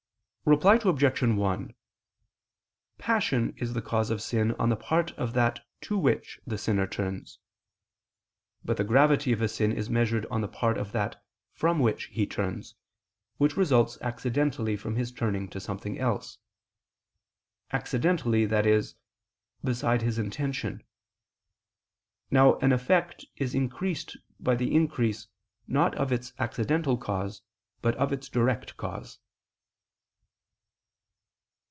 Reply Obj. 1: Passion is the cause of sin on the part of that to which the sinner turns. But the gravity of a sin is measured on the part of that from which he turns, which results accidentally from his turning to something else accidentally, i.e. beside his intention. Now an effect is increased by the increase, not of its accidental cause, but of its direct cause.